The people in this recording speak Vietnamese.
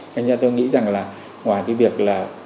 thế nên tôi nghĩ rằng là ngoài cái việc là